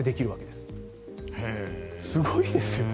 すごいですよね。